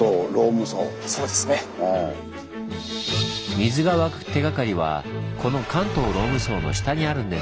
水が湧く手がかりはこの関東ローム層の下にあるんです。